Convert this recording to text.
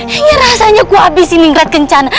hingga rasanya aku habis ini ngerat kencana